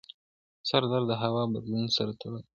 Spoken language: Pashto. سردرد د هوا بدلون سره تړلی دی.